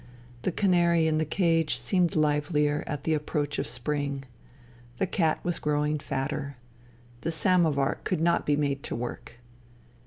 The canary in the cage seemed hveher at the approach of spring. The cat was growing fatter. The samovar could not be made to work.